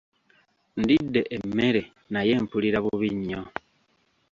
Ndidde emmere naye mpulira bubi nnyo.